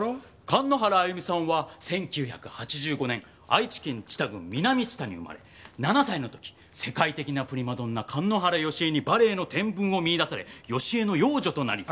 神之原歩美さんは１９８５年愛知県知多郡南知多に生まれ７歳の時世界的なプリマドンナ神之原芳江にバレエの天分を見いだされ芳江の養女となり。